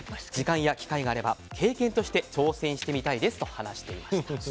時間や機会があれば経験として挑戦してみたいですと話していました。